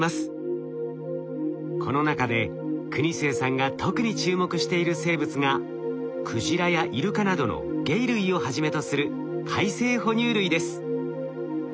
この中で国末さんが特に注目している生物がクジラやイルカなどの鯨類をはじめとする海棲哺乳類です。